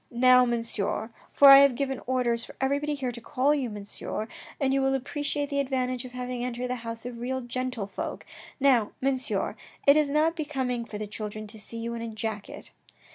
" Now, Monsieur, for 1 have given orders for everybody here to call you Monsieur, and you will appreciate the advantage of having entered the house of real gentle folk, now, Mon sieur, it is not becoming for the children to see you in a jacket."